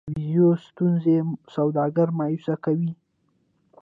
د ویزې ستونزې سوداګر مایوسه کوي.